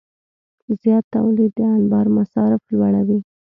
زیات تولید د انبار مصارف لوړوي.